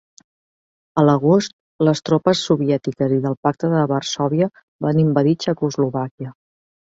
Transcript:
A l'agost, les tropes soviètiques i del Pacte de Varsòvia van invadir Txecoslovàquia.